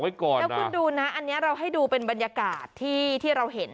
แล้วคุณดูนะเราให้ดูเป็นบรรยากาศที่ที่เราเห็น